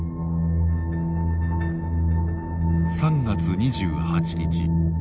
３月２８日